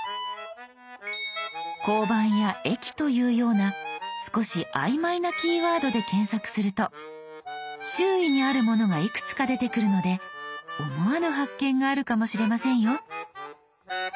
「交番」や「駅」というような少し曖昧なキーワードで検索すると周囲にあるものがいくつか出てくるので思わぬ発見があるかもしれませんよ。